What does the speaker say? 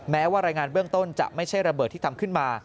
แม้ว่ารายงานเบื้องต้นจะไม่ใช่ระเบิดที่ทำขึ้นมา